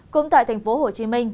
cũng tại tp hcm